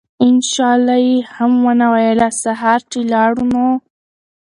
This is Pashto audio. إن شاء الله ئي هم ونه ويله!! سهار چې لاړو نو